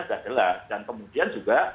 sudah jelas dan kemudian juga